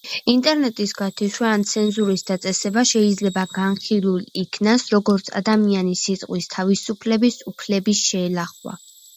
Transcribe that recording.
ინტერნეტის გათიშვა ან ცენზურის დაწესება შეიძლება განხილულ იქნას როგორც ადამიანის სიტყვის თავისუფლების უფლების შელახვა.